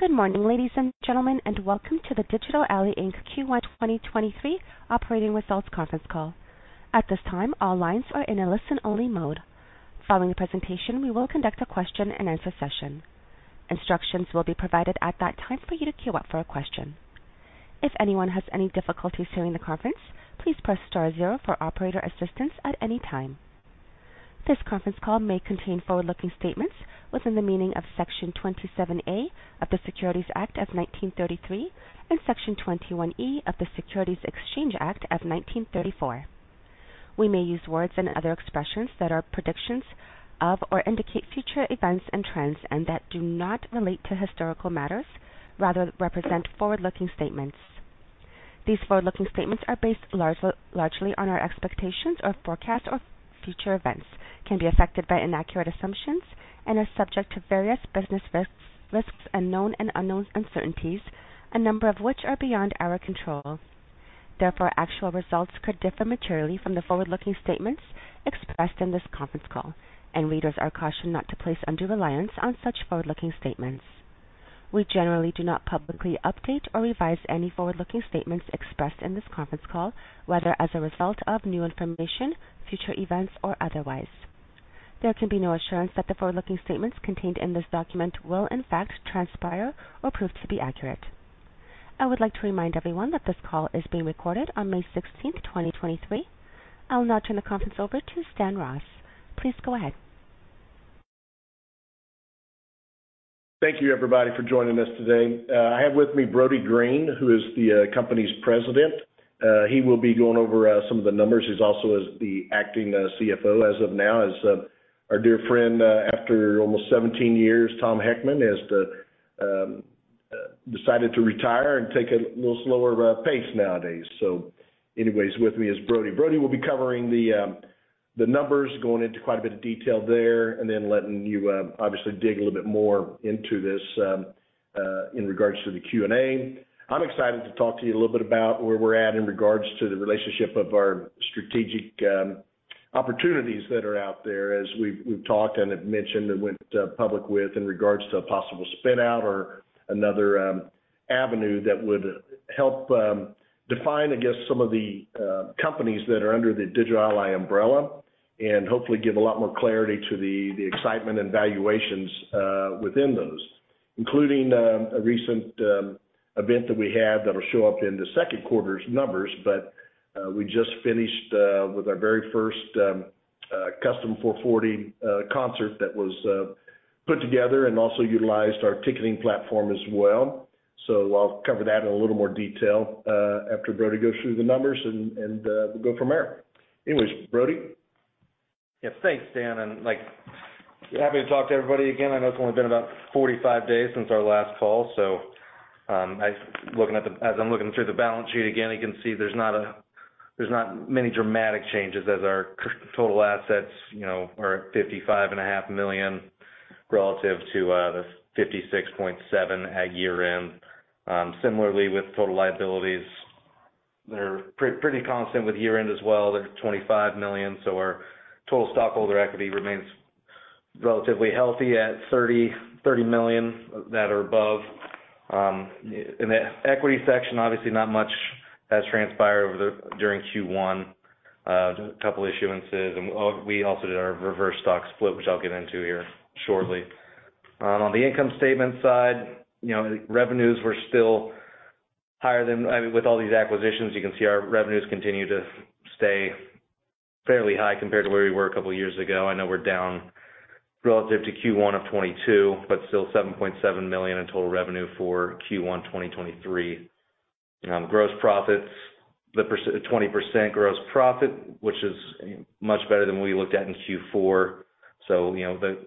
Good morning, ladies and gentlemen, and welcome to the Digital Ally Inc Q1 2023 operating results conference call. At this time, all lines are in a listen-only mode. Following the presentation, we will conduct a question-and-answer session. Instructions will be provided at that time for you to queue up for a question. If anyone has any difficulties during the conference, please press star zero for operator assistance at any time. This conference call may contain forward-looking statements within the meaning of Section 27A of the Securities Act of 1933 and Section 21E of the Securities Exchange Act of 1934. We may use words and other expressions that are predictions of, or indicate future events and trends and that do not relate to historical matters, rather represent forward-looking statements. These forward-looking statements are based largely on our expectations or forecasts of future events, can be affected by inaccurate assumptions and are subject to various business risks and known and unknowns uncertainties, a number of which are beyond our control. Therefore, actual results could differ materially from the forward-looking statements expressed in this conference call, and readers are cautioned not to place undue reliance on such forward-looking statements. We generally do not publicly update or revise any forward-looking statements expressed in this conference call, whether as a result of new information, future events, or otherwise. There can be no assurance that the forward-looking statements contained in this document will in fact transpire or prove to be accurate. I would like to remind everyone that this call is being recorded on May 16th, 2023. I'll now turn the conference over to Stan Ross. Please go ahead. Thank you everybody for joining us today. I have with me Brody Green, who is the company's President. He will be going over some of the numbers. He's also is the Acting CFO as of now, as our dear friend, after almost 17 years, Tom Heckman, has decided to retire and take a little slower pace nowadays. Anyways, with me is Brody. Brody will be covering the numbers, going into quite a bit of detail there, and then letting you obviously dig a little bit more into this in regards to the Q&A. I'm excited to talk to you a little bit about where we're at in regards to the relationship of our strategic opportunities that are out there. As we've talked and have mentioned and went public with in regards to a possible spin out or another avenue that would help define, I guess, some of the companies that are under the Digital Ally umbrella and hopefully give a lot more clarity to the excitement and valuations within those, including a recent event that we had that'll show up in the second quarter's numbers. We just finished with our very first Kustom 440 concert that was put together and also utilized our ticketing platform as well. I'll cover that in a little more detail after Brody goes through the numbers and we'll go from there. Anyways, Brody? Thanks, Stan, like, happy to talk to everybody again. I know it's only been about 45 days since our last call. Looking through the balance sheet again, you can see there's not many dramatic changes as our total assets, you know, are at $55.5 million relative to $56.7 million at year-end. Similarly with total liabilities, they're pretty constant with year-end as well. They're at $25 million. Our Total Stockholder Equity remains relatively healthy at $30 million that are above. In the equity section, obviously, not much has transpired during Q1. A couple issuances, we also did our reverse stock split, which I'll get into here shortly. On the income statement side, you know, revenues were still higher than... I mean, with all these acquisitions, you can see our revenues continue to stay fairly high compared to where we were a couple of years ago. I know we're down relative to Q1 2022. Still $7.7 million in total revenue for Q1 2023. Gross profits, 20% gross profit, which is much better than we looked at in Q4. You know, the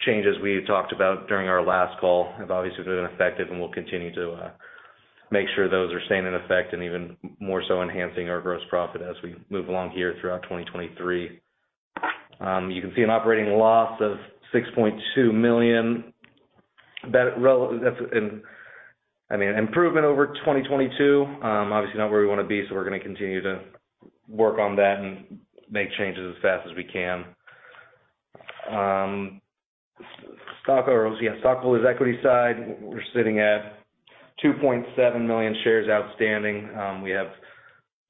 changes we talked about during our last call have obviously been effective and will continue to make sure those are staying in effect and even more so enhancing our gross profit as we move along here throughout 2023. You can see an operating loss of $6.2 million. That's an, I mean, an improvement over 2022. Obviously not where we wanna be, so we're gonna continue to work on that and make changes as fast as we can. Stock or, yeah, stockholders' equity side, we're sitting at 2.7 million shares outstanding. We have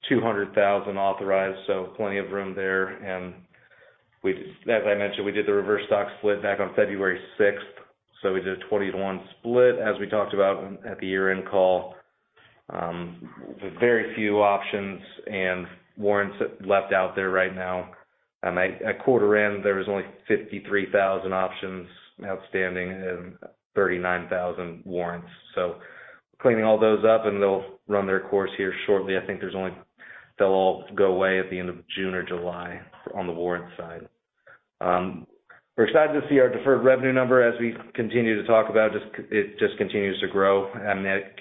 200,000 authorized, so plenty of room there. As I mentioned, we did the reverse stock split back on February 6th. We did a 20:1 split, as we talked about at the year-end call. Very few options and warrants left out there right now. At quarter end, there was only 53,000 options outstanding and 39,000 warrants. Cleaning all those up, and they'll run their course here shortly. They'll all go away at the end of June or July on the warrant side. We're excited to see our deferred revenue number as we continue to talk about. It just continues to grow. I mean, at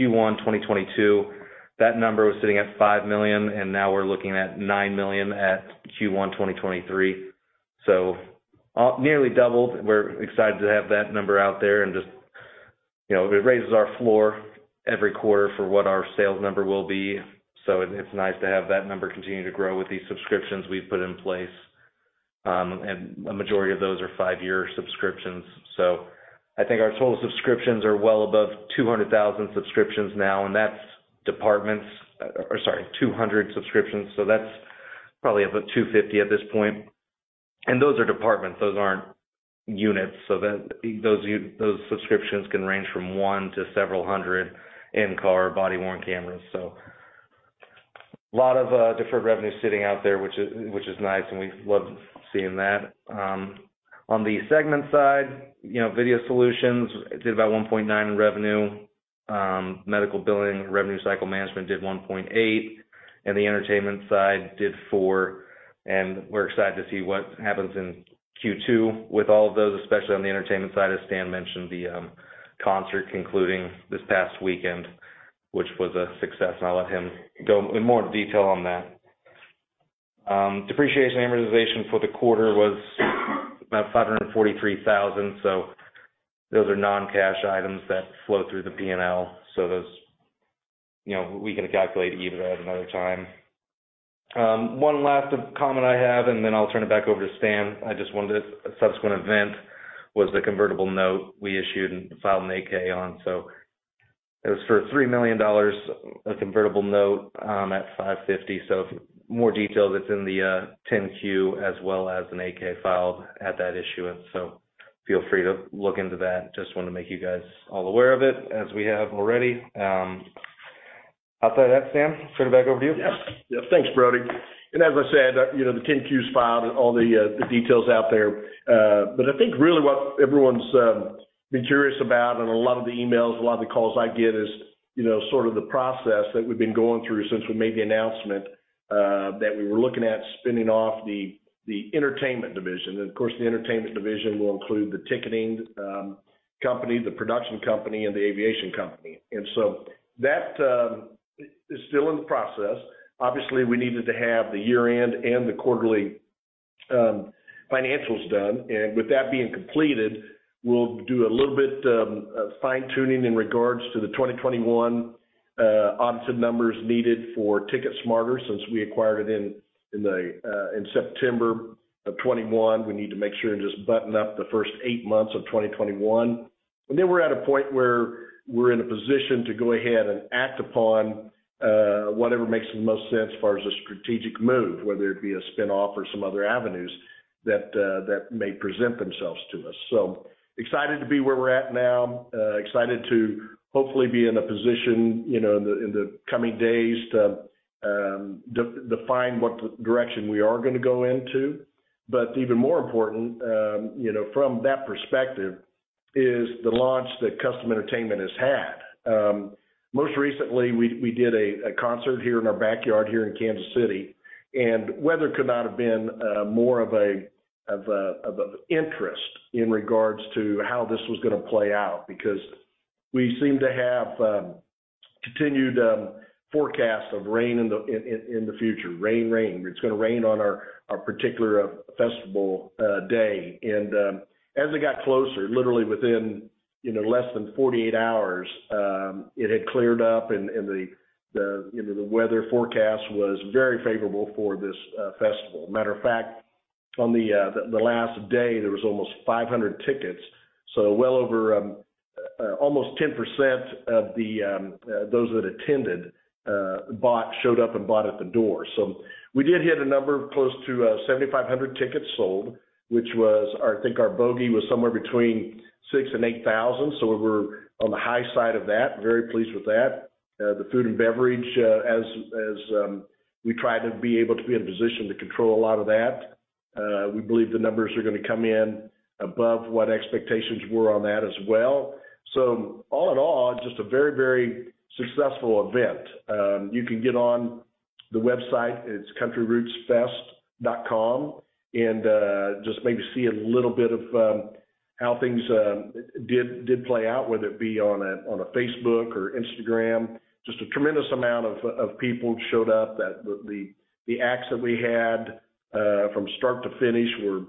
Q1 2022, that number was sitting at $5 million, and now we're looking at $9 million at Q1 2023. nearly doubled. We're excited to have that number out there and just, you know, it raises our floor every quarter for what our sales number will be. It's nice to have that number continue to grow with these subscriptions we've put in place. A majority of those are five-year subscriptions. I think our total subscriptions are well above 200,000 subscriptions now, and that's departments... Or sorry, 200 subscriptions, so that's probably about 250 at this point. Those are departments, those aren't units. Those subscriptions can range from one to several hundred in-car body-worn cameras. Lot of deferred revenue sitting out there, which is nice, and we love seeing that. On the segment side, you know, Video Solutions did about $1.9 million in revenue. Medical billing revenue cycle management did $1.8 million, and the entertainment side did $4 million. We're excited to see what happens in Q2 with all of those, especially on the entertainment side, as Stan mentioned the concert concluding this past weekend, which was a success, and I'll let him go in more detail on that. Depreciation amortization for the quarter was about $543,000. So those are non-cash items that flow through the P&L. You know, we can calculate EBITDA at another time. One last comment I have, and then I'll turn it back over to Stan. A subsequent event was the convertible note we issued and filed an 8-K on. It was for $3 million, a convertible note, at $5.50. For more detail that's in the 10-Q as well as an 8-K filed at that issuance. Feel free to look into that. Just wanted to make you guys all aware of it as we have already. Outside of that, Stan, turn it back over to you. Yes. Yeah. Thanks, Brody. As I said, you know, the 10-Q's filed, all the details out there. I think really what everyone's been curious about, and a lot of the emails, a lot of the calls I get is, you know, sort of the process that we've been going through since we made the announcement that we were looking at spinning off the entertainment division. Of course, the entertainment division will include the ticketing company, the production company, and the aviation company. That is still in the process. Obviously, we needed to have the year-end and the quarterly financials done. With that being completed, we'll do a little bit of fine-tuning in regards to the 2021 audited numbers needed for TicketSmarter since we acquired it in September of 2021. We need to make sure and just button up the first eight months of 2021. We're at a point where we're in a position to go ahead and act upon whatever makes the most sense as far as a strategic move, whether it be a spin-off or some other avenues that may present themselves to us. Excited to be where we're at now. Excited to hopefully be in a position, you know, in the coming days to define what direction we are gonna go into. Even more important, you know, from that perspective, is the launch that Kustom Entertainment has had. Most recently, we did a concert here in our backyard here in Kansas City, weather could not have been more of a interest in regards to how this was gonna play out, because we seemed to have continued forecast of rain in the future. Rain. It's gonna rain on our particular festival day. As it got closer, literally within, you know, less than 48 hours, it had cleared up and the, you know, the weather forecast was very favorable for this festival. Matter of fact, on the last day, there was almost 500 tickets. Well over almost 10% of those that attended, showed up and bought at the door. We did hit a number close to 7,500 tickets sold, which was. I think our bogey was somewhere between 6,000 and 8,000, so we're on the high side of that. Very pleased with that. The food and beverage, as we try to be able to be in a position to control a lot of that, we believe the numbers are gonna come in above what expectations were on that as well. All in all, just a very, very successful event. You can get on the website, it's countryrootsfest.com, and just maybe see a little bit of how things did play out, whether it be on a Facebook or Instagram. Just a tremendous amount of people showed up. The acts that we had from start to finish were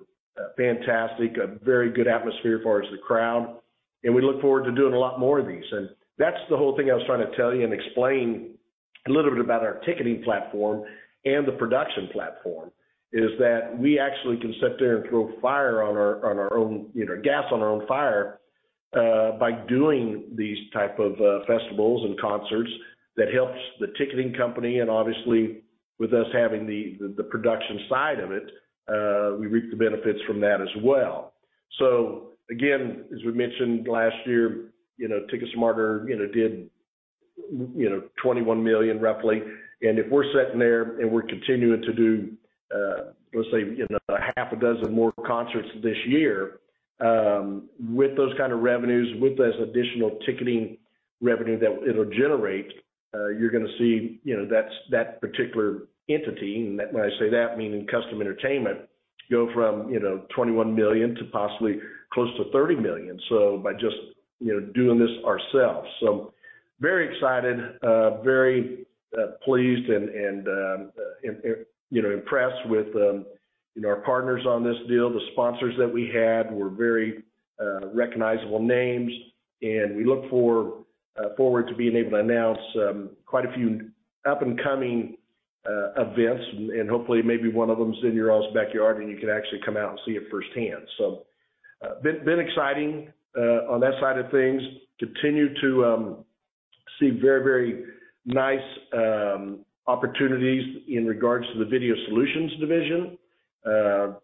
fantastic. A very good atmosphere as far as the crowd, and we look forward to doing a lot more of these. That's the whole thing I was trying to tell you and explain a little bit about our ticketing platform and the production platform, is that we actually can sit there and throw fire on our, on our own, you know, gas on our own fire, by doing these type of festivals and concerts that helps the ticketing company and obviously with us having the production side of it, we reap the benefits from that as well. Again, as we mentioned last year, you know, TicketSmarter, you know, did, you know, $21 million roughly. If we're sitting there and we're continuing to do, let's say, you know, half a dozen more concerts this year, with those kind of revenues, with those additional ticketing revenue that it'll generate, you're gonna see, you know, that's that particular entity, and when I say that, meaning Kustom Entertainment, go from, you know, $21 million to possibly close to $30 million, so by just, you know, doing this ourselves. Very excited, very pleased and you know, impressed with, you know, our partners on this deal. The sponsors that we had were very recognizable names, and we look forward to being able to announce, quite a few up-and-coming events and hopefully maybe one of them is in your all's backyard, and you can actually come out and see it firsthand. Been exciting on that side of things. Continue to see very nice opportunities in regards to the Video Solutions division.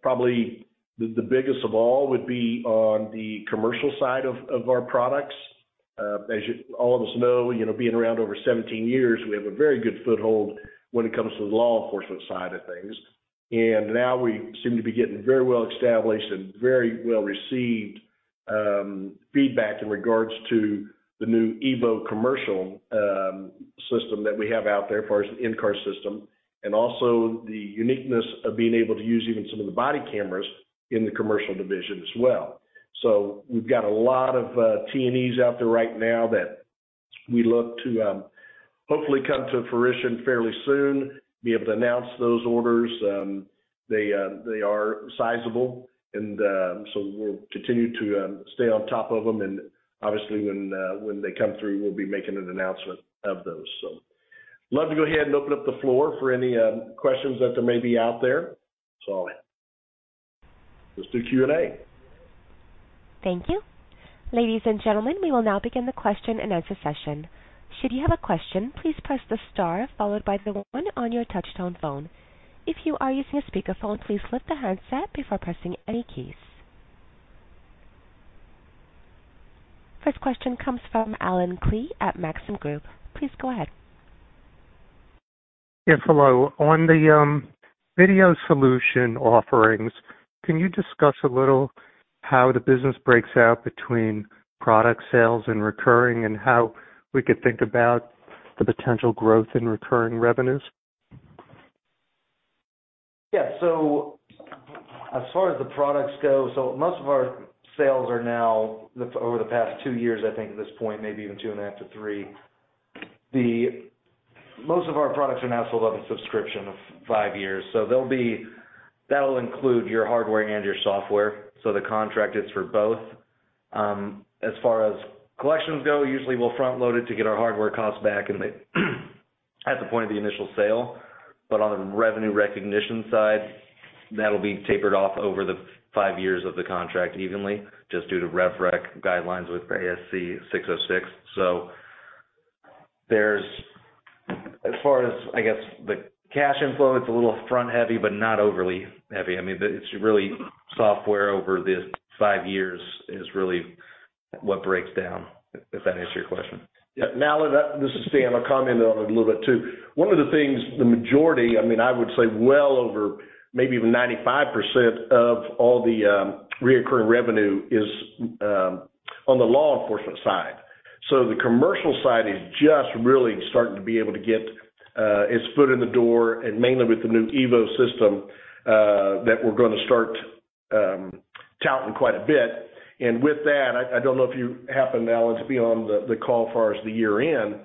Probably the biggest of all would be on the commercial side of our products. As all of us know, you know, being around over 17 years, we have a very good foothold when it comes to the law enforcement side of things. Now we seem to be getting very well established and very well-received feedback in regards to the new EVO commercial system that we have out there for as an in-car system, and also the uniqueness of being able to use even some of the body cameras in the commercial division as well. We've got a lot of T&Es out there right now that we look to hopefully come to fruition fairly soon, be able to announce those orders. They are sizable and so we'll continue to stay on top of them and obviously when they come through, we'll be making an announcement of those. I'd love to go ahead and open up the floor for any questions that there may be out there. Let's do Q&A. Thank you. Ladies and gentlemen, we will now begin the question-and-answer session. Should you have a question, please press the star followed by the one on your touchtone phone. If you are using a speakerphone, please lift the handset before pressing any keys. First question comes from Allen Klee at Maxim Group. Please go ahead. Yes, hello. On the, video solution offerings, can you discuss a little how the business breaks out between product sales and recurring, how we could think about the potential growth in recurring revenues? As far as the products go, most of our sales are now, over the past two years, I think at this point, maybe even 2.5 to three, most of our products are now sold on a subscription of five years. That'll include your hardware and your software, so the contract is for both. As far as collections go, usually we'll front-load it to get our hardware costs back at the point of the initial sale. On the revenue recognition side, that'll be tapered off over the five years of the contract evenly just due to rev rec guidelines with ASC 606. There's as far as, I guess, the cash inflow, it's a little front heavy, but not overly heavy. I mean, it's really software over the five years is really what breaks down. If that answers your question. Yeah. Allen, this is Stan. I'll comment on it a little bit too. One of the things, the majority, I mean, I would say well over maybe even 95% of all the reoccurring revenue is on the law enforcement side. The commercial side is just really starting to be able to get its foot in the door and mainly with the new EVO system that we're gonna start touting quite a bit. With that, I don't know if you happen, Allen, to be on the call far as the year-end,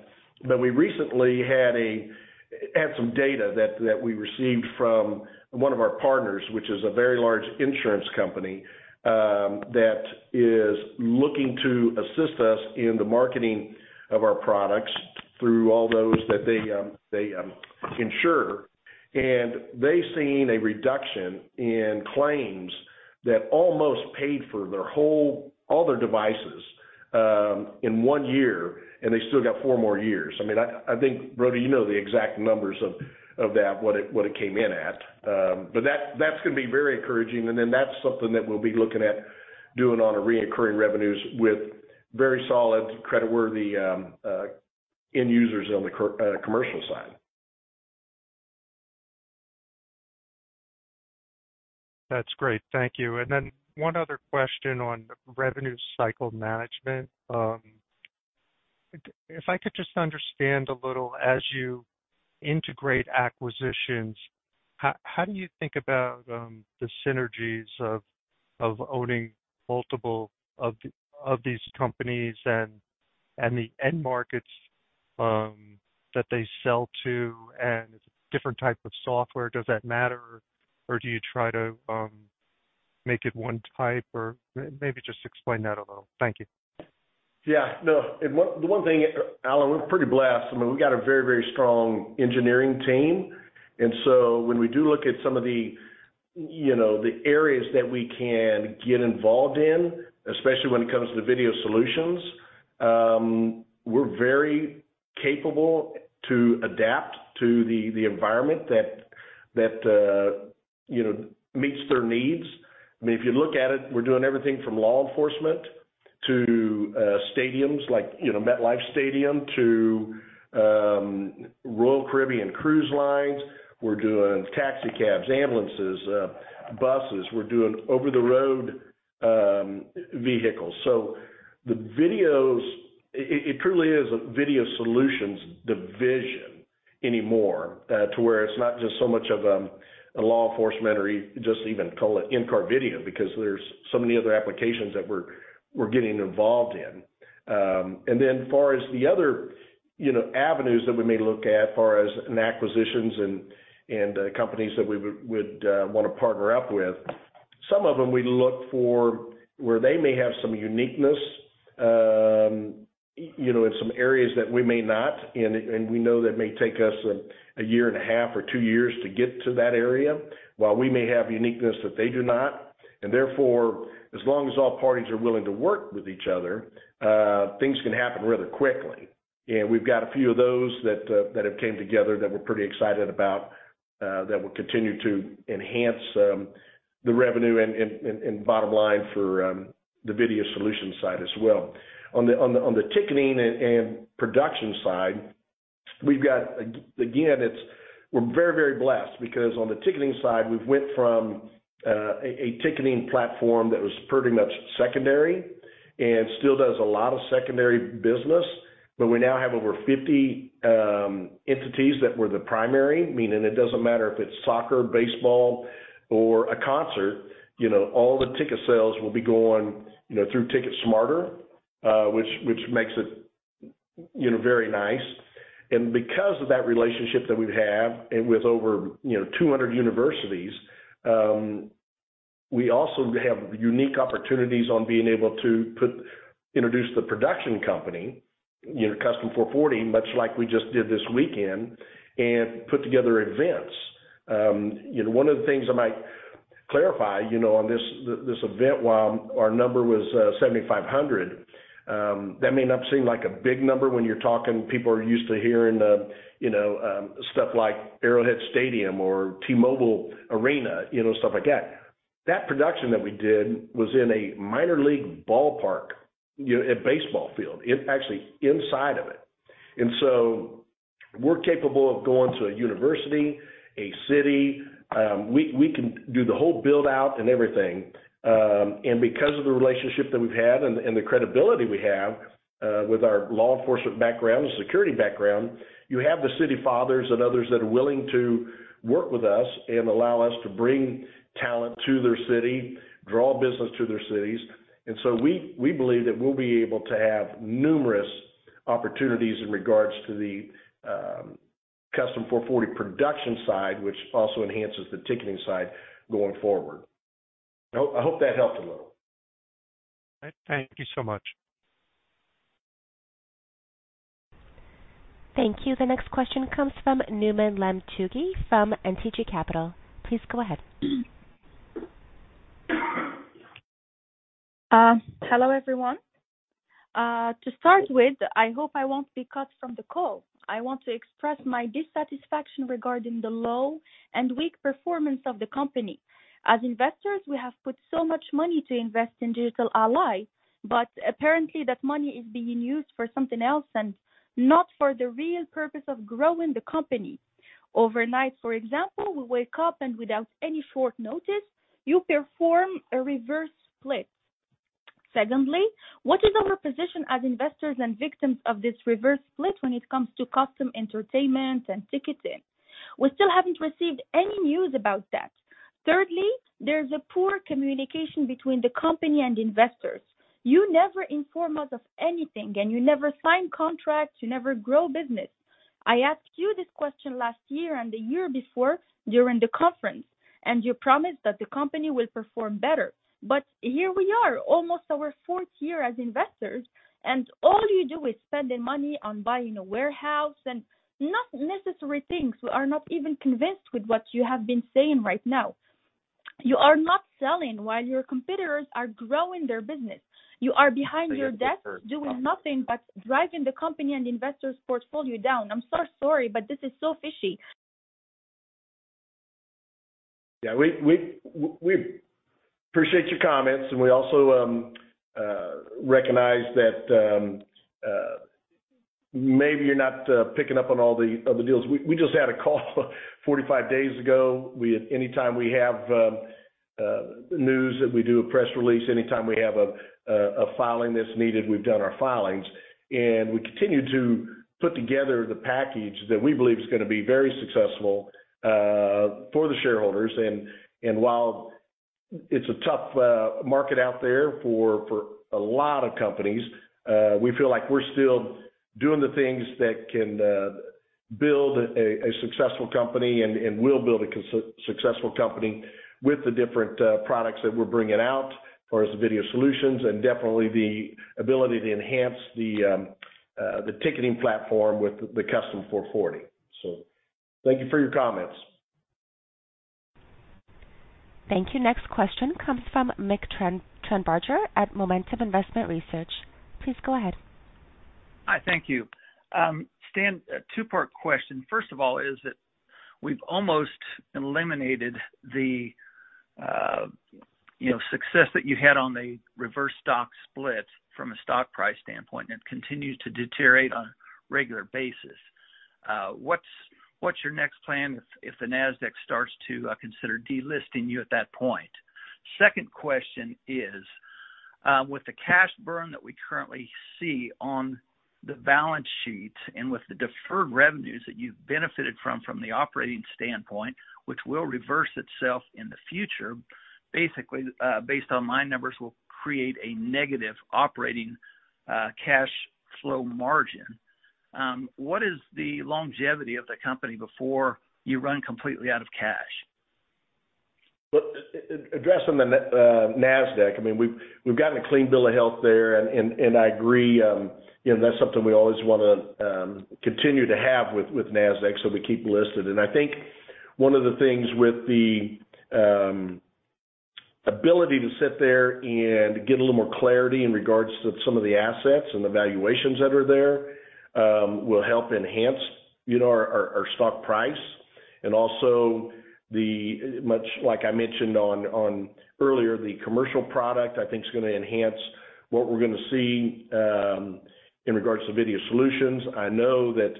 but we recently had some data that we received from one of our partners, which is a very large insurance company, that is looking to assist us in the marketing of our products through all those that they insure. They've seen a reduction in claims that almost paid for their all their devices in one year, and they still got four more years. I think, Brody, you know the exact numbers of that, what it, what it came in at. That's, that's gonna be very encouraging. That's something that we'll be looking at doing on a recurring revenues with very solid creditworthy end users on the commercial side. That's great. Thank you. Then one other question on revenue cycle management. If I could just understand a little, as you integrate acquisitions, how do you think about the synergies of owning multiple of these companies and the end markets that they sell to and different type of software? Does that matter? Or do you try to make it one type? Or maybe just explain that a little? Thank you. Yeah. No. One, the one thing, Allen, we're pretty blessed. I mean, we got a very, very strong engineering team. When we do look at some of the, you know, the areas that we can get involved in, especially when it comes to Video Solutions, we're very capable to adapt to the environment that, you know, meets their needs. I mean, if you look at it, we're doing everything from law enforcement to stadiums like, you know, MetLife Stadium to Royal Caribbean cruise lines. We're doing taxi cabs, ambulances, buses. We're doing over-the-road vehicles. The videos, it truly is a Video Solutions division anymore, to where it's not just so much of a law enforcement or just even call it in-car video because there's so many other applications that we're getting involved in. Then far as the other, you know, avenues that we may look at far as in acquisitions and companies that we would want to partner up with. Some of them we look for where they may have some uniqueness, you know, in some areas that we may not. We know that may take us 1.5 years or two years to get to that area, while we may have uniqueness that they do not. Therefore, as long as all parties are willing to work with each other, things can happen rather quickly. We've got a few of those that have come together that we're pretty excited about that will continue to enhance the revenue and bottom line for the Video Solutions side as well. On the ticketing and production side, we're very blessed because on the ticketing side, we've gone from a ticketing platform that was pretty much secondary and still does a lot of secondary business. We now have over 50 entities that we're the primary, meaning it doesn't matter if it's soccer, baseball, or a concert, you know, all the ticket sales will be going, you know, through TicketSmarter, which makes it, you know, very nice. Because of that relationship that we have and with over, you know, 200 universities, we also have unique opportunities on being able to introduce the production company, you know, Kustom 440, much like we just did this weekend, and put together events. You know, one of the things I might clarify, you know, on this event, while our number was 7,500, that may not seem like a big number. People are used to hearing, you know, stuff like Arrowhead Stadium or T-Mobile Arena, you know, stuff like that. That production that we did was in a minor league ballpark, you know, a baseball field, actually inside of it. We're capable of going to a university, a city. We can do the whole build out and everything. Because of the relationship that we've had and the credibility we have with our law enforcement background and security background, you have the city fathers and others that are willing to work with us and allow us to bring talent to their city, draw business to their cities. We believe that we'll be able to have numerous opportunities in regards to the Kustom 440 production side, which also enhances the ticketing side going forward. I hope that helped a little. Thank you so much. Thank you. The next question comes from Noumane Lahlou from NTG Capital. Please go ahead. Hello, everyone. To start with, I hope I won't be cut from the call. I want to express my dissatisfaction regarding the low and weak performance of the company. As investors, we have put so much money to invest in Digital Ally, apparently that money is being used for something else and not for the real purpose of growing the company. Overnight, for example, we wake up and without any short notice, you perform a reverse split. Secondly, what is our position as investors and victims of this reverse split when it comes to Kustom Entertainment and ticketing? We still haven't received any news about that. Thirdly, there's a poor communication between the company and investors. You never inform us of anything, you never sign contracts. You never grow business. I asked you this question last year and the year before during the conference, you promised that the company will perform better. Here we are, almost our fourth year as investors, all you do is spend the money on buying a warehouse and not necessary things. We are not even convinced with what you have been saying right now. You are not selling while your competitors are growing their business. You are behind your desk doing nothing but driving the company and investors' portfolio down. I'm so sorry, this is so fishy. Yeah. We appreciate your comments, and we also recognize that, maybe you're not picking up on all the deals. We just had a call 45 days ago. Anytime we have news that we do a press release, anytime we have a filing that's needed, we've done our filings. We continue to put together the package that we believe is gonna be very successful for the shareholders. While it's a tough market out there for a lot of companies, we feel like we're still doing the things that can build a successful company and will build a successful company with the different products that we're bringing out as far as the Video Solutions and definitely the ability to enhance the ticketing platform with the Kustom 440. Thank you for your comments. Thank you. Next question comes from Nick Tranbarger at Momentum Investment Research. Please go ahead. Hi. Thank you. Stan, a two-part question. First of all, is that we've almost eliminated the, you know, success that you had on the reverse stock split from a stock price standpoint, and it continues to deteriorate on a regular basis. What's your next plan if the NASDAQ starts to consider delisting you at that point? Second question is, with the cash burn that we currently see on the balance sheet and with the deferred revenues that you've benefited from the operating standpoint, which will reverse itself in the future, basically, based on my numbers, will create a negative operating cash flow margin. What is the longevity of the company before you run completely out of cash? Well, addressing NASDAQ, I mean, we've gotten a clean bill of health there, and I agree, you know, that's something we always wanna continue to have with NASDAQ, so we keep listed. I think one of the things with the ability to sit there and get a little more clarity in regards to some of the assets and the valuations that are there, will help enhance, you know, our stock price and also the. Much like I mentioned earlier, the commercial product, I think it's gonna enhance what we're gonna see in regards to Video Solutions. I know that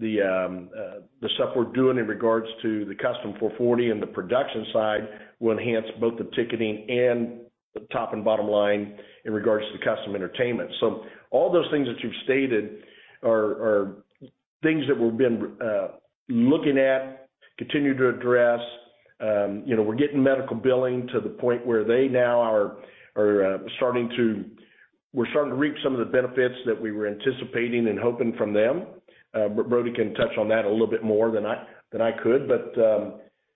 the stuff we're doing in regards to the Kustom 440 in the production side will enhance both the ticketing and the top and bottom line in regards to Kustom Entertainment. All those things that you've stated are things that we've been looking at, continue to address. You know, we're getting medical billing to the point where they now are starting to reap some of the benefits that we were anticipating and hoping from them. Brody can touch on that a little bit more than I, than I could.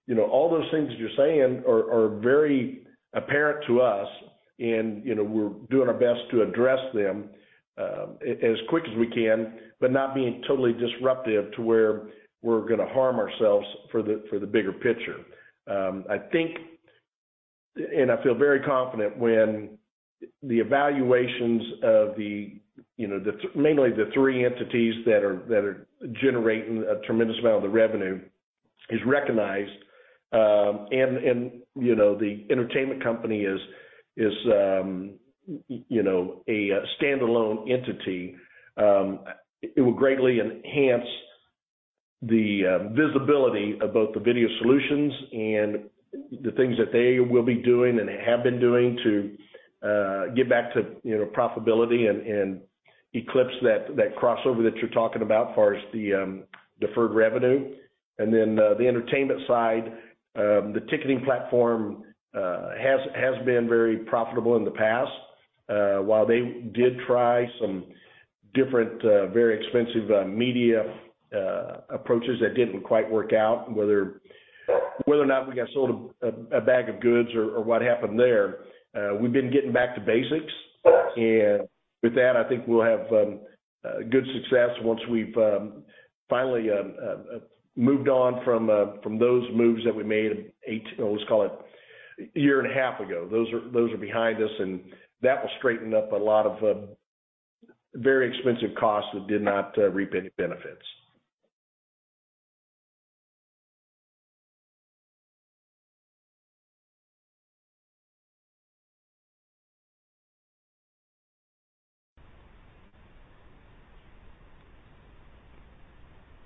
You know, all those things that you're saying are very apparent to us and, you know, we're doing our best to address them, as quick as we can, but not being totally disruptive to where we're gonna harm ourselves for the, for the bigger picture. I think, and I feel very confident when the evaluations of the, you know, mainly the three entities that are, that are generating a tremendous amount of the revenue is recognized, and, you know, the entertainment company is, you know, a standalone entity, it will greatly enhance the visibility of both the Video Solutions and the things that they will be doing and have been doing to get back to, you know, profitability and eclipse that crossover that you're talking about far as the deferred revenue. The entertainment side, the ticketing platform has been very profitable in the past. While they did try some different, very expensive, media, approaches that didn't quite work out, whether or not we got sold a bag of goods or what happened there, we've been getting back to basics. With that, I think we'll have good success once we've finally moved on from those moves that we made eight... Let's call it 1.5 years ago. Those are, those are behind us, and that will straighten up a lot of very expensive costs that did not reap any benefits.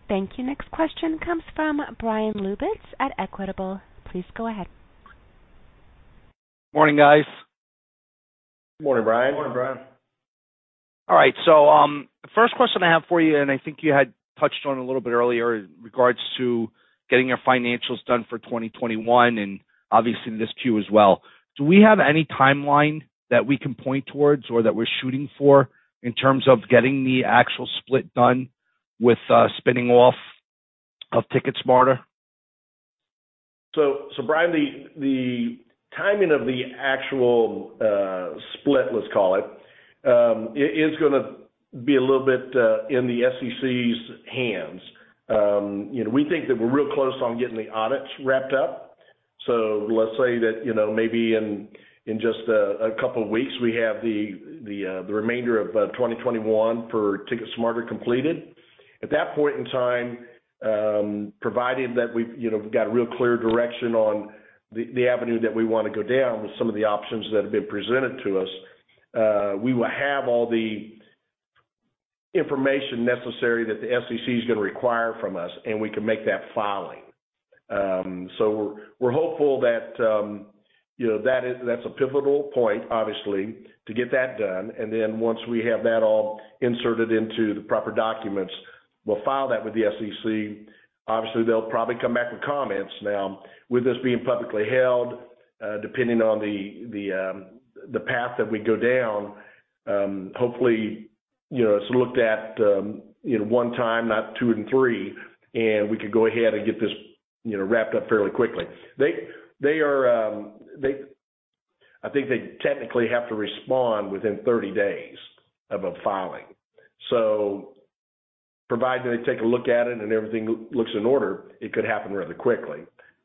Thank you. Next question comes from Bryan Lubitz at Equitable. Please go ahead. Morning, guys. Morning, Bryan. Morning, Bryan. All right. The first question I have for you, and I think you had touched on a little bit earlier in regards to getting your financials done for 2021 and obviously this Q as well. Do we have any timeline that we can point towards or that we're shooting for in terms of getting the actual split done with spinning off of TicketSmarter? Bryan, the timing of the actual split, let's call it, is gonna be a little bit in the SEC's hands. You know, we think that we're real close on getting the audits wrapped up. Let's say that, you know, maybe in just a couple of weeks, we have the remainder of 2021 for TicketSmarter completed. At that point in time, providing that we've, you know, got a real clear direction on the avenue that we wanna go down with some of the options that have been presented to us, we will have all the information necessary that the SEC is gonna require from us, and we can make that filing. We're hopeful that, you know, that's a pivotal point, obviously, to get that done. Once we have that all inserted into the proper documents, we'll file that with the SEC. Obviously, they'll probably come back with comments. With us being publicly held, depending on the path that we go down, hopefully, you know, it's looked at one time, not two and three, and we could go ahead and get this, you know, wrapped up fairly quickly. They are, I think they technically have to respond within 30 days of a filing. Provided they take a look at it and everything looks in order, it could happen rather quickly.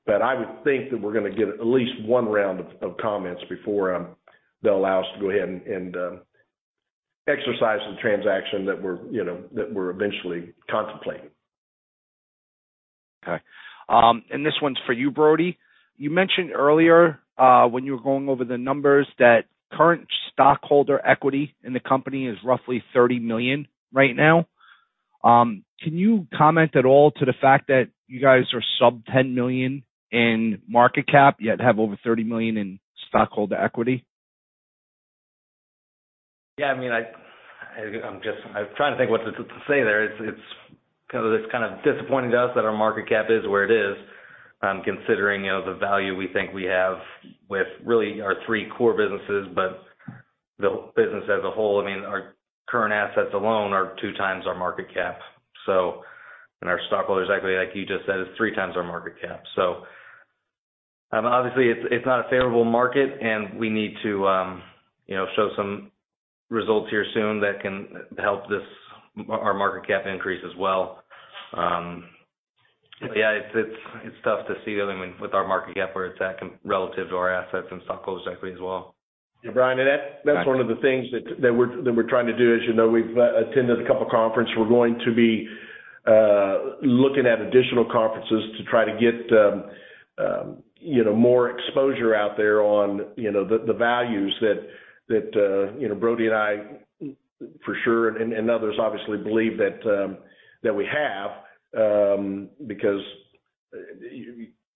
I would think that we're gonna get at least one round of comments before they'll allow us to go ahead and exercise the transaction that we're, you know, that we're eventually contemplating. Okay. This one's for you, Brody. You mentioned earlier, when you were going over the numbers, that current stockholder equity in the company is roughly $30 million right now. Can you comment at all to the fact that you guys are sub $10 million in market cap, yet have over $30 million in stockholder equity? I mean, I'm trying to think what to say there. It's kind of disappointing to us that our market cap is where it is, considering, you know, the value we think we have with really our three core businesses. The business as a whole, I mean, our current assets alone are 2x our market cap. Our stockholders' equity, like you just said, is 3x our market cap. Obviously it's not a favorable market, and we need to, you know, show some results here soon that can help this, our market cap increase as well. It's tough to see, I mean, with our market cap where it's at relative to our assets and stockholders' equity as well. Yeah, Bryan. Gotcha. That's one of the things that we're trying to do. As you know, we've attended a couple conference. We're going to be looking at additional conferences to try to get, you know, more exposure out there on, you know, the values that, you know, Brody and I for sure, and others obviously believe that we have, because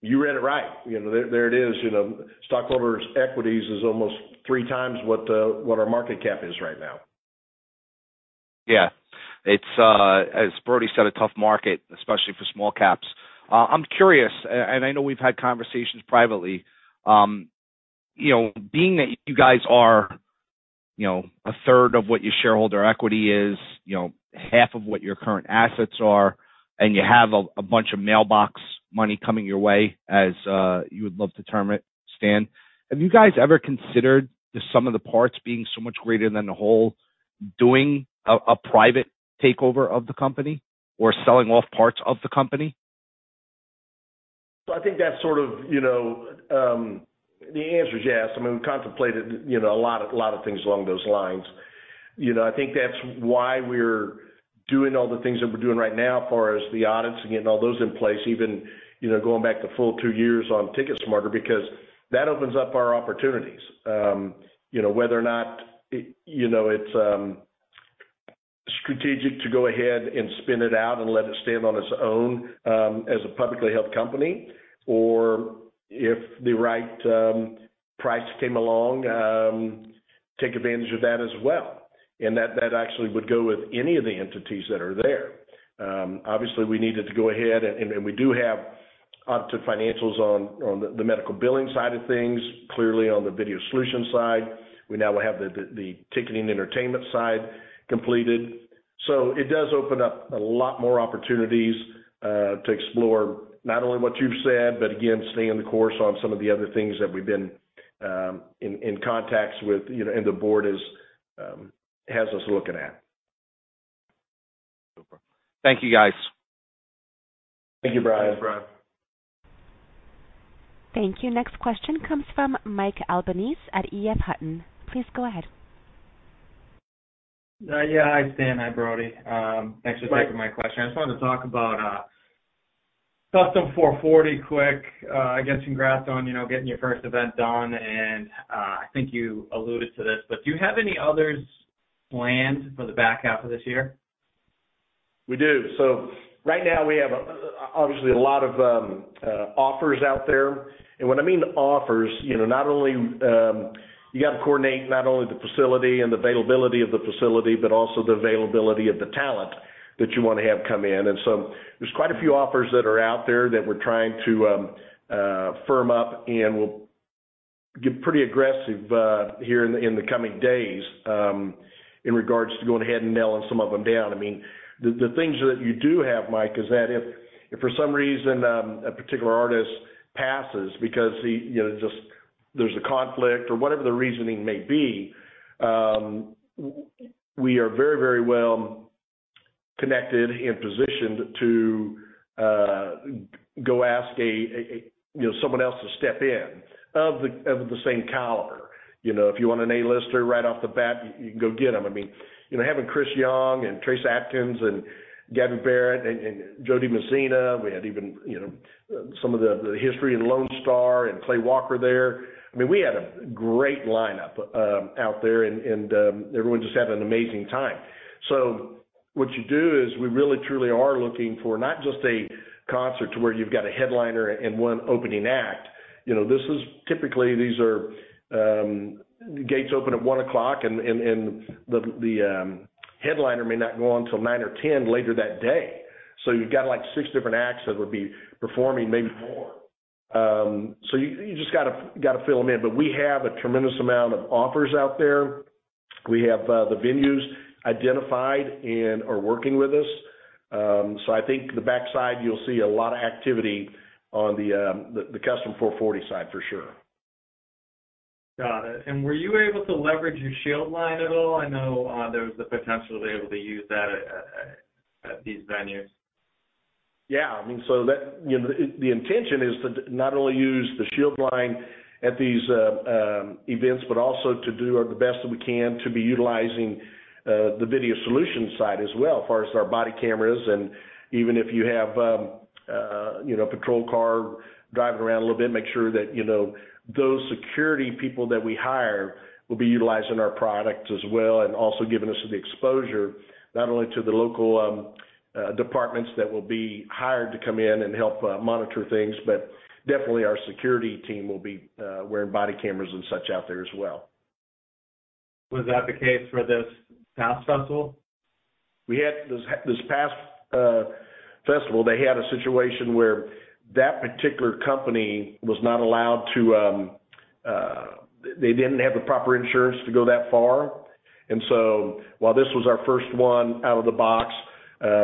you read it right. You know, there it is, you know, stockholders' equities is almost 3x what our market cap is right now. Yeah. It's, as Brody said, a tough market, especially for small caps. I'm curious, and I know we've had conversations privately, you know, being that you guys are, you know, 1/3 of what your shareholder equity is, you know, 1/2 of what your current assets are, and you have a bunch of mailbox money coming your way as you would love to term it, Stan, have you guys ever considered the sum of the parts being so much greater than the whole, doing a private takeover of the company or selling off parts of the company? I think that's sort of, you know. The answer is yes. I mean, we contemplated, you know, a lot of things along those lines. You know, I think that's why we're doing all the things that we're doing right now as far as the audits and getting all those in place, even, you know, going back to full two years on TicketSmarter, because that opens up our opportunities. You know, whether or not, you know, it's strategic to go ahead and spin it out and let it stand on its own as a publicly held company or if the right price came along, take advantage of that as well. That actually would go with any of the entities that are there. Obviously we needed to go ahead and we do have opted financials on the medical billing side of things, clearly on the Video Solutions side. We now have the ticketing entertainment side completed. It does open up a lot more opportunities to explore not only what you've said, but again, staying the course on some of the other things that we've been in contacts with, you know, and the board is has us looking at. Super. Thank you, guys. Thank you, Bryan. Thanks, Bryan. Thank you. Next question comes from Mike Albanese at EF Hutton. Please go ahead. Yeah. Hi, Stan. Hi, Brody. Mike. Taking my question. I just wanted to talk about Kustom 440 quick. I guess congrats on, you know, getting your first event done, and I think you alluded to this, but do you have any others planned for the back half of this year? We do. Right now we have obviously a lot of offers out there. When I mean offers, you know, not only you got to coordinate not only the facility and the availability of the facility, but also the availability of the talent that you wanna have come in. There's quite a few offers that are out there that we're trying to firm up, and we'll get pretty aggressive here in the coming days in regards to going ahead and nailing some of them down. I mean, the things that you do have, Mike, is that if for some reason a particular artist passes because he, you know, just there's a conflict or whatever the reasoning may be, we are very, very well connected and positioned to go ask a... you know, someone else to step in of the same caliber. You know, if you want an A-lister right off the bat, you can go get them. I mean, you know, having Chris Young and Trace Adkins and Gabby Barrett and Jo Dee Messina, we had even, you know, some of the History and Lonestar and Clay Walker there. I mean, we had a great lineup out there and everyone just had an amazing time. What you do is we really truly are looking for not just a concert to where you've got a headliner and one opening act. You know, this is typically, these are, gates open at 1:00 P.M. and the headliner may not go on till 9:00 P.M. or 10:00 P.M. later that day. You've got like 6 different acts that would be performing, maybe more. You just gotta fill them in. We have a tremendous amount of offers out there. We have the venues identified and are working with us. I think the backside, you'll see a lot of activity on the Kustom 440 side for sure. Got it. Were you able to leverage your Shield line at all? I know, there's the potential to be able to use that at these venues. Yeah. I mean, you know, the intention is to not only use the Shield line at these events, but also to do the best that we can to be utilizing the Video Solutions side as well, far as our body cameras. Even if you have, you know, a patrol car driving around a little bit, make sure that, you know, those security people that we hire will be utilizing our product as well, and also giving us the exposure, not only to the local departments that will be hired to come in and help monitor things, but definitely our security team will be wearing body cameras and such out there as well. Was that the case for this past festival? This past festival, they had a situation where that particular company was not allowed to, they didn't have the proper insurance to go that far. While this was our first one out of the box,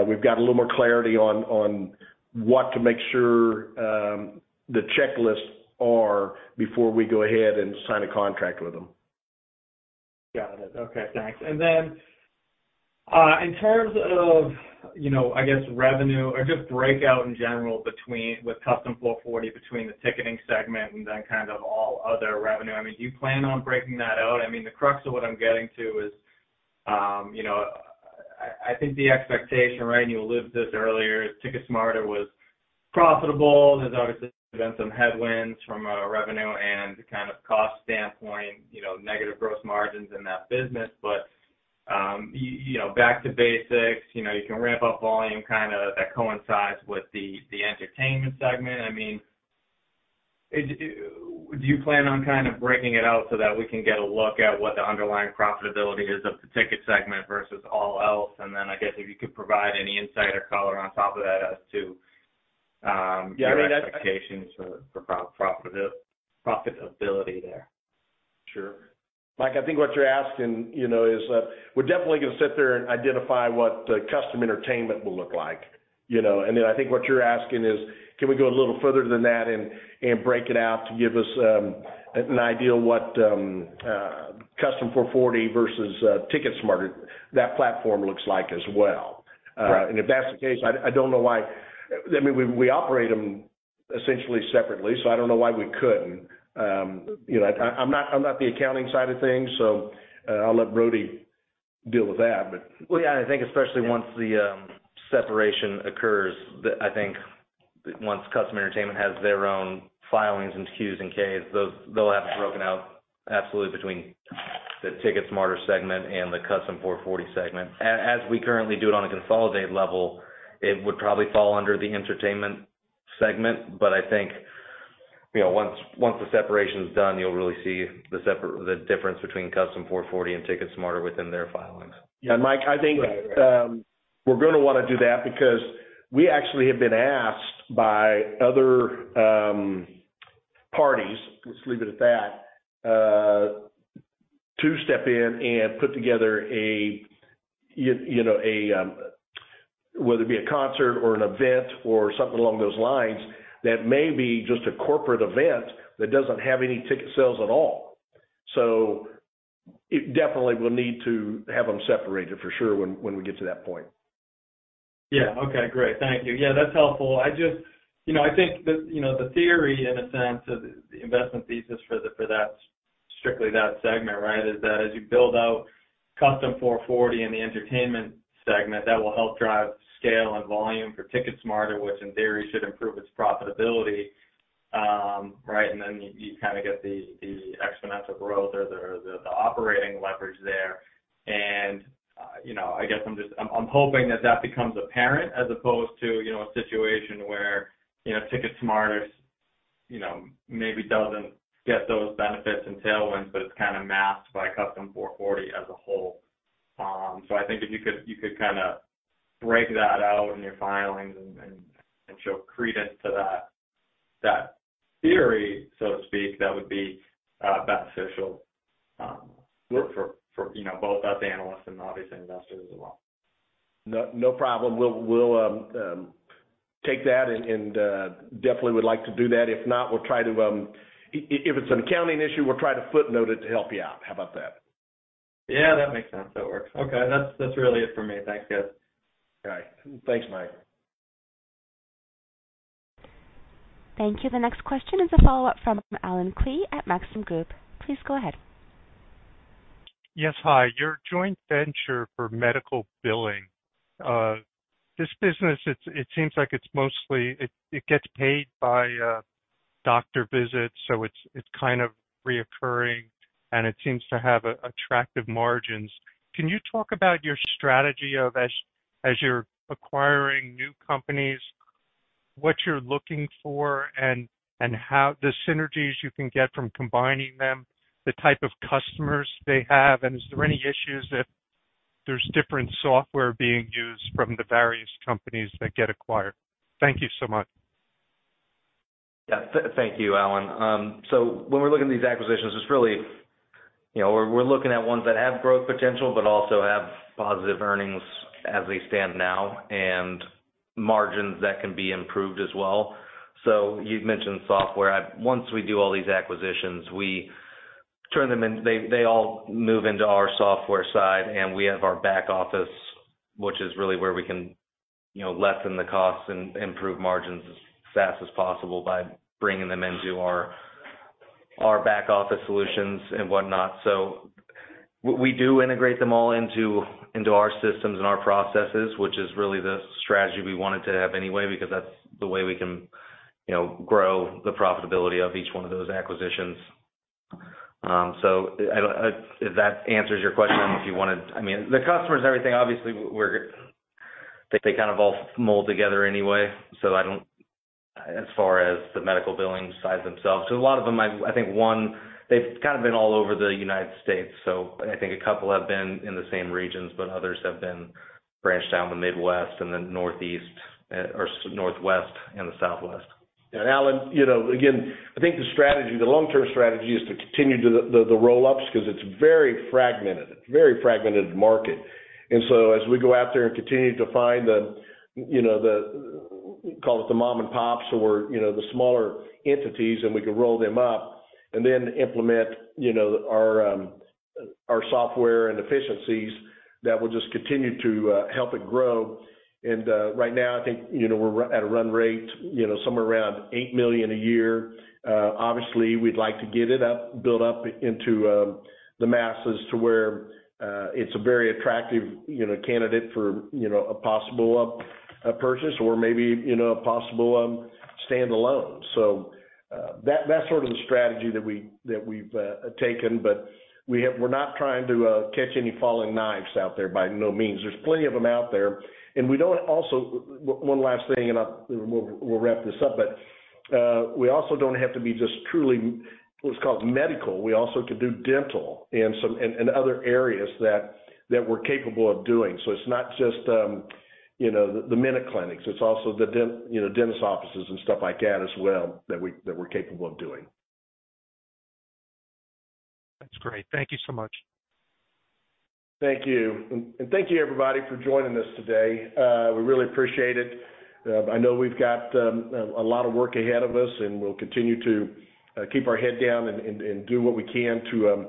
we've got a little more clarity on what to make sure the checklists are before we go ahead and sign a contract with them. Got it. Okay, thanks. Then, in terms of, you know, I guess revenue or just breakout in general with Kustom 440 between the ticketing segment and then kind of all other revenue, I mean, do you plan on breaking that out? I mean, the crux of what I'm getting to is, you know, I think the expectation, right, and you alluded to this earlier, is TicketSmarter was profitable. There's obviously been some headwinds from a revenue and kind of cost standpoint, you know, negative gross margins in that business. you know, back to basics, you know, you can ramp up volume kinda that coincides with the entertainment segment. I mean, do you plan on kind of breaking it out so that we can get a look at what the underlying profitability is of the ticket segment versus all else? I guess if you could provide any insight or color on top of that as to, your expectations for profitability there. Sure. Mike, I think what you're asking, you know, is that we're definitely gonna sit there and identify what Kustom Entertainment will look like, you know. I think what you're asking is, can we go a little further than that and break it out to give us an idea of what Kustom 440 versus TicketSmarter, that platform looks like as well. Right. If that's the case, I don't know why. I mean, we operate them essentially separately, so I don't know why we couldn't. You know, I'm not the accounting side of things, so I'll let Brody deal with that. Yeah, I think especially once the separation occurs, I think once Kustom Entertainment has their own filings and Qs and Ks, those they'll have it broken out absolutely between the TicketSmarter segment and the Kustom 440 segment. As we currently do it on a consolidated level, it would probably fall under the entertainment segment. I think, you know, once the separation is done, you'll really see the difference between Kustom 440 and TicketSmarter within their filings. Mike, I think, we're gonna wanna do that because we actually have been asked by other parties, let's leave it at that, to step in and put together a, you know, a, whether it be a concert or an event or something along those lines, that may be just a corporate event that doesn't have any ticket sales at all. It definitely will need to have them separated for sure when we get to that point. Yeah. Okay, great. Thank you. Yeah, that's helpful. You know, I think the, you know, the theory in a sense of the investment thesis for the, for that, strictly that segment, right, is that as you build out Kustom 440 in the entertainment segment, that will help drive scale and volume for TicketSmarter, which in theory should improve its profitability. Right, and then you kind of get the exponential growth or the, the operating leverage there. You know, I guess I'm hoping that that becomes apparent as opposed to, you know, a situation where, you know, TicketSmarter, you know, maybe doesn't get those benefits and tailwinds, but it's kind of masked by Kustom 440 as a whole. I think if you could kinda break that out in your filings and show credence to that theory, so to speak, that would be beneficial, you know, both us analysts and obviously investors as well. No, no problem. We'll take that and definitely would like to do that. If not, we'll try to if it's an accounting issue, we'll try to footnote it to help you out. How about that? Yeah, that makes sense. That works. Okay. That's really it for me. Thanks, guys. All right. Thanks, Mike. Thank you. The next question is a follow-up from Allen Klee at Maxim Group. Please go ahead. Yes. Hi. Your joint venture for medical billing, this business, it seems like it's mostly. It gets paid by doctor visits, so it's kind of recurring, and it seems to have attractive margins. Can you talk about your strategy as you're acquiring new companies, what you're looking for and how the synergies you can get from combining them, the type of customers they have? Is there any issues if there's different software being used from the various companies that get acquired? Thank you so much. Yeah. Thank you, Allen. When we're looking at these acquisitions, it's really, you know, we're looking at ones that have growth potential but also have positive earnings as they stand now and margins that can be improved as well. You've mentioned software. Once we do all these acquisitions, they all move into our software side, and we have our back office, which is really where we can, you know, lessen the costs and improve margins as fast as possible by bringing them into our back office solutions and whatnot. We do integrate them all into our systems and our processes, which is really the strategy we wanted to have anyway, because that's the way we can, you know, grow the profitability of each one of those acquisitions. If that answers your question, if you wanna. I mean, the customers, everything, obviously they kind of all mold together anyway, so I don't. As far as the medical billing side themselves. A lot of them, I think one, they've kind of been all over the United States, so I think a couple have been in the same regions, but others have been branched out in the Midwest and the Northeast, or Northwest and the Southwest. Allen, you know, again, I think the strategy, the long-term strategy is to continue to the roll-ups because it's very fragmented. It's a very fragmented market. As we go out there and continue to find the, you know, call it the mom and pops or, you know, the smaller entities, and we can roll them up and then implement, you know, our software and efficiencies that will just continue to help it grow. Right now, I think, you know, we're at a run rate, you know, somewhere around $8 million a year. Obviously we'd like to get it up, built up into the masses to where it's a very attractive, you know, candidate for, you know, a possible purchase or maybe, you know, a possible standalone. That's sort of the strategy that we've taken. We're not trying to catch any falling knives out there by no means. There's plenty of them out there. One last thing, we also don't have to be just truly what's called medical. We also can do dental and other areas that we're capable of doing. It's not just, you know, the MinuteClinic, it's also dentist offices and stuff like that as well, that we're capable of doing. That's great. Thank you so much. Thank you. Thank you, everybody, for joining us today. We really appreciate it. I know we've got a lot of work ahead of us, and we'll continue to keep our head down and do what we can to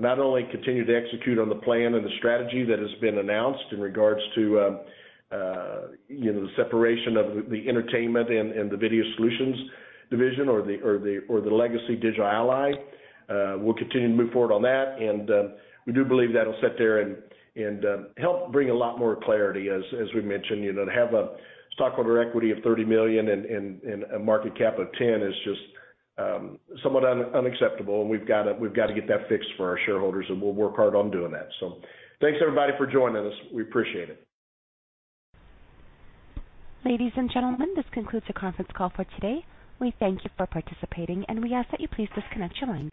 not only continue to execute on the plan and the strategy that has been announced in regards to, you know, the separation of the entertainment and the Video Solutions division or the legacy Digital Ally. We'll continue to move forward on that. We do believe that'll sit there and help bring a lot more clarity as we mentioned. You know, to have a stockholder equity of $30 million and a market cap of $10 million is just somewhat unacceptable. We've gotta get that fixed for our shareholders, and we'll work hard on doing that. Thanks everybody for joining us. We appreciate it. Ladies and gentlemen, this concludes the conference call for today. We thank you for participating. We ask that you please disconnect your lines.